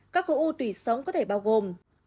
các khổ u tùy sống có thể bao gồm